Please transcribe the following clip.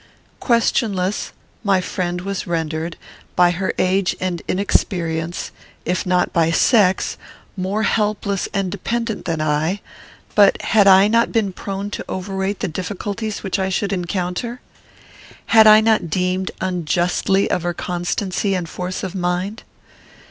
Questionless, my friend was rendered, by her age and inexperience, if not by sex, more helpless and dependent than I; but had I not been prone to overrate the difficulties which I should encounter? Had I not deemed unjustly of her constancy and force of mind?